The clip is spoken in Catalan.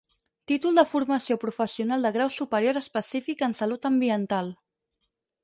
Títol de formació professional de grau superior específic en salut ambiental.